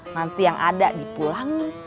nanti yang ada dipulangin